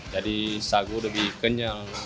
jadi sagu lebih kenyal